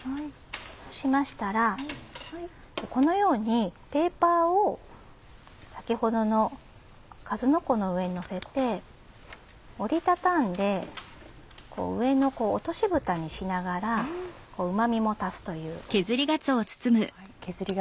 そうしましたらこのようにペーパーを先ほどのかずのこの上にのせて折り畳んで上の落としぶたにしながらうま味も足すという。